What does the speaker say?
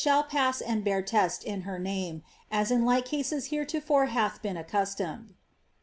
shall pass and bear test in her name, as in like m heretofore hath been accustomed.''